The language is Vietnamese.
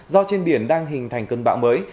do trên biển đang hình thành cơn bão mới